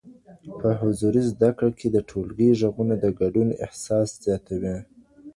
په حضوري زده کړه کي د ټولګي ږغونه د ګډون احساس زیاتوي.